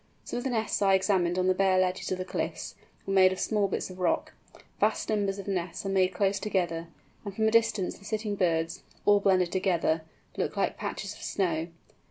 Some of the nests I examined on the bare ledges of the cliffs, were made of small bits of rock. Vast numbers of nests are made close together, and from a distance the sitting birds—all blended together—look like patches of snow.